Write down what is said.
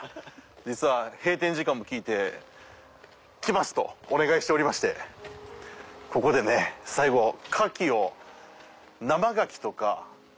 実は閉店時間も聞いて「来ます！」とお願いしておりましてココでね最後「カキ」を。